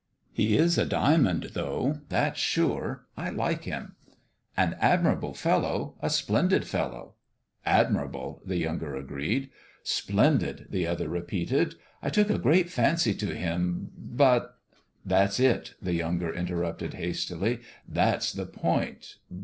" He is a diamond, though. That's sure. I like him." " An admirable fellow ! A splendid fellow !"" Admirable !" the younger agreed. " Splendid !" the other repeated " I took a great fancy to him. But " "That's it !" the younger interrupted, hastily. " That's the point